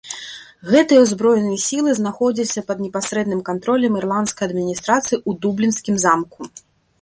Гэтыя ўзброеныя сілы знаходзіліся пад непасрэдным кантролем ірландскай адміністрацыі ў дублінскім замку.